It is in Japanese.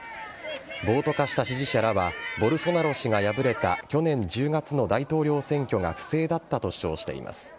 暴徒化した支持者らはボルソナロ氏が敗れた去年１０月の大統領選挙が不正だったと主張しています。